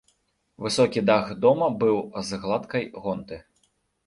Высокі дах дома быў з гладкай гонты.